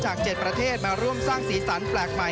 จาก๗ประเทศมาร่วมสร้างศีลสรรคแปลกใหม่